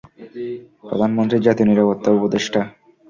প্রধানমন্ত্রীর জাতীয় নিরাপত্তা উপদেষ্টা।